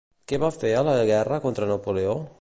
Què va fer a la guerra contra Napoleó?